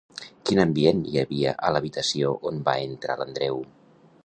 Quin ambient hi havia a l'habitació on va entrar l'Andreu?